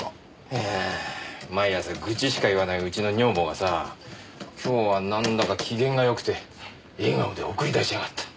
いやあ毎朝愚痴しか言わないうちの女房がさ今日はなんだか機嫌がよくて笑顔で送り出しやがった。